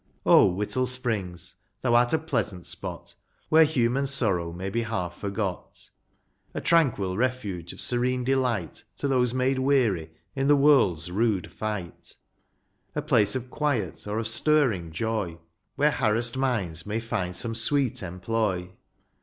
O Whittle Springs ! thou art a pleasant spot. Where human sorrow may be half forgot. Whittle Springs. loi A tranquil refuge of serene delight To those made weary in the world's rude fight ; A place of quiet or of stirring joy, Where harassed minds may find some sweet employ